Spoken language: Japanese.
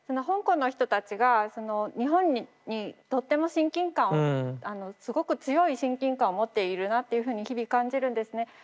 香港の人たちが日本にとっても親近感をすごく強い親近感を持っているなっていうふうに日々感じるんですね。